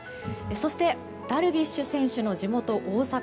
そしてダルビッシュ選手の地元大阪。